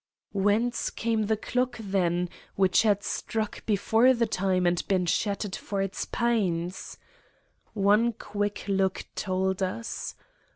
Whence came the clock, then, which had struck before the time and been shattered for its pains? One quick look told us.